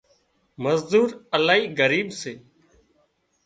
مزور الاهي ڳريٻ سي